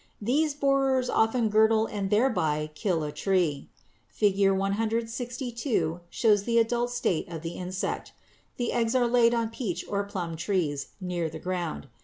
These borers often girdle and thereby kill a tree. Fig. 162 shows the adult state of the insect. The eggs are laid on peach or plum trees near the ground.